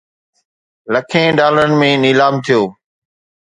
لکين ڊالرن ۾ نيلام ٿيو